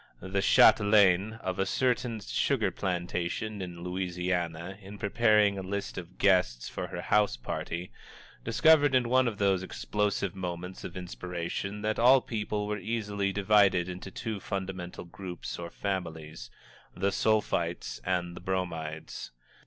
The Chatelaine of a certain sugar plantation in Louisiana, in preparing a list of guests for her house party, discovered, in one of those explosive moments of inspiration, that all people were easily divided into two fundamental groups or families, the Sulphites and the Bromides.